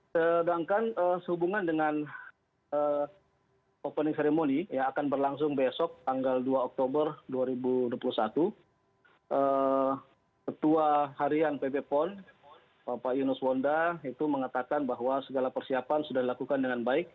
sedangkan sehubungan dengan opening ceremony akan berlangsung besok tanggal dua oktober dua ribu dua puluh satu ketua harian pp pon bapak yunus wonda itu mengatakan bahwa segala persiapan sudah dilakukan dengan baik